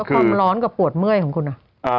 ความร้อนกับปวดเมื่อยของคุณ